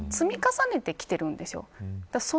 積み重ねてきているんですよ。